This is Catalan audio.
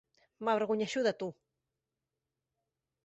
M'avergonyeixo de tu!